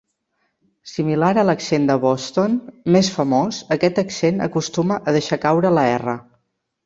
Similar a l'accent de Boston, més famós, aquest accent acostuma a deixar caure la "r".